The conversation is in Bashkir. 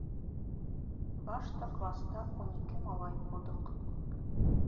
Башта класта ун ике малай булдыҡ.